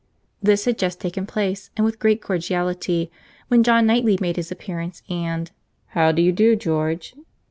This had just taken place and with great cordiality, when John Knightley made his appearance, and "How d'ye do, George?"